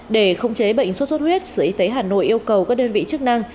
để khống chế bệnh sốt xuất huyết sở y tế hà nội yêu cầu các đơn vị chức năng